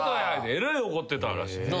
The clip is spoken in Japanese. えらい怒ってたらしいです。